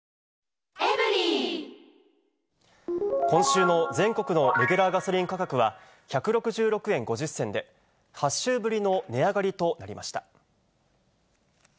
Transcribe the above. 今週の全国のレギュラーガソリン価格は、１６６円５０銭で、８週ぶりの値上がりとなりました。